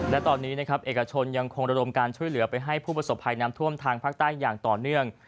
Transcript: และตอนนี้นะครับเอกชนยังคงระดมการช่วยเหลือไปให้ผู้ประสบภัยน้ำท่วมทางภาคใต้อย่างต่อเนื่อง